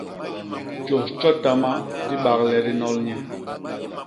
Tjôs tjotama di bak le di nol nye.